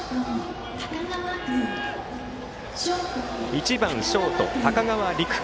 １番ショート、高川莉玖。